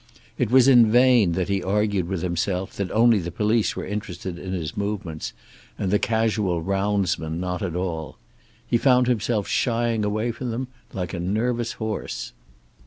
It was in vain that he argued with himself that only the police were interested in his movements, and the casual roundsman not at all. He found himself shying away from them like a nervous horse.